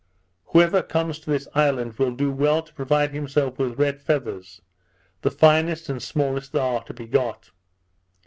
Whoever comes to this island, will do well to provide himself with red feathers, the finest and smallest that are to be got.